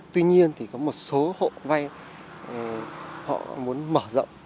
tuy nhiên thì có một số hộ vay họ muốn mở rộng